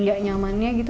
gak nyamannya gitu